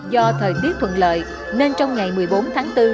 do thời tiết thuận lợi nên trong ngày một mươi bốn tháng bốn